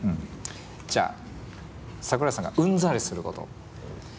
じゃあ桜井さんがうんざりすること。